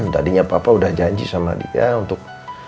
tadinya papa udah janji sama dia untuk